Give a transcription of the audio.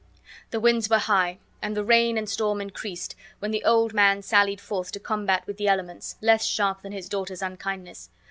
The winds were high, and the rain and storm increased, when the old man sallied forth to combat with the elements, less sharp than his daughters' unkindness.